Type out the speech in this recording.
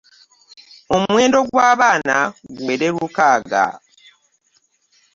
Omuwendo gw'abaana guwere lukaaga.